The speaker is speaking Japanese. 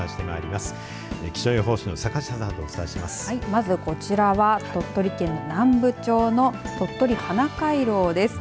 まずこちらは鳥取県南部町のとっとり花回廊です。